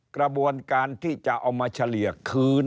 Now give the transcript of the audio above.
กระบวนการที่จะเอามาเฉลี่ยคืน